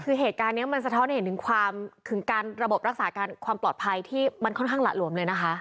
คือเหตุการณ์นี้มันสะท้อนให้เห็นถึงความระบบรักษาการความปลอดภัยที่มันค่อนข้างหละหลวมเลยนะคะ